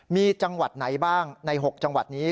มีจังหวัดไหนบ้างใน๖จังหวัดนี้